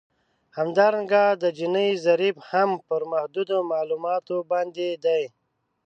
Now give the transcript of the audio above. همدارنګه د جیني ضریب هم پر محدودو معلوماتو باندې دی